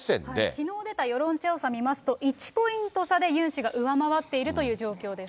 きのう出た世論調査見ますと、１ポイント差でユン氏が上回っているという状況です。